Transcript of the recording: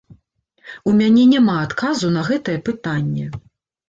У мяне няма адказу на гэтае пытанне.